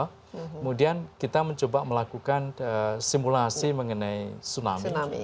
kemudian kita mencoba melakukan simulasi mengenai tsunami